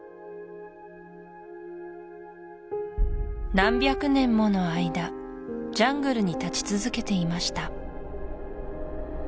何百年もの間ジャングルに立ち続けていました